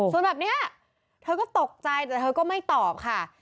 ส่วนแบบนี้เธอก็ตกใจแต่เธอก็ไม่ตอบค่ะ